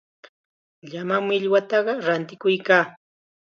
Llama millwata rantikuykaa.